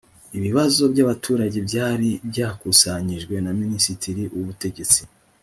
ibibazo by abaturage byari byakusanyijwe na minisiteri y ubutegetsi